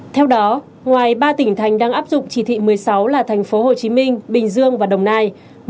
theo đó ngoài ba tỉnh thành đang áp dụng chỉ thị một mươi sáu là thành phố hồ chí minh bình dương và đồng nai